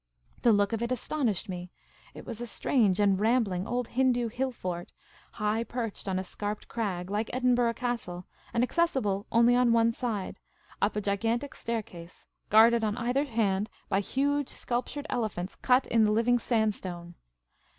The look of it astonished me. It was a strange and rambling old Hindoo hill fort, high perched on a scarped crag, like Edinburgh Castle, and accessible only on one side, up a gigantic staircase, guarded on either hand by huge sculptured elephants cut in the living sandstone.